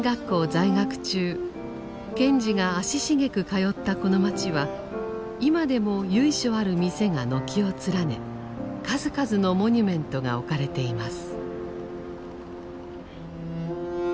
在学中賢治が足しげく通ったこの街は今でも由緒ある店が軒を連ね数々のモニュメントが置かれています。